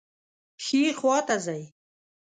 ښي خواته ځئ